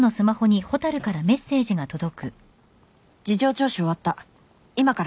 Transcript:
「事情聴取終わった今から帰るね」